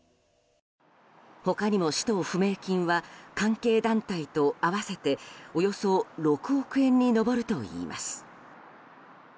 他にも使途不明金は関係団体と合わせておよそ６億円に上るといいます。